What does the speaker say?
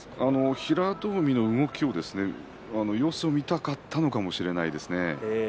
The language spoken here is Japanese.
平戸海の動きの様子を見たかったのかもしれませんね。